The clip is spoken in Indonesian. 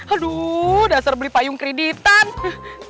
aduh dasar beli payung kreditan